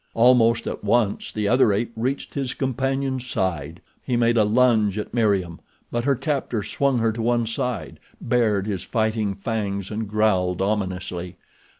Almost at once the other ape reached his companion's side. He made a lunge at Meriem; but her captor swung her to one side, bared his fighting fangs and growled ominously.